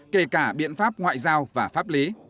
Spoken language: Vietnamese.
kể cả biện pháp ngoại giao và pháp lý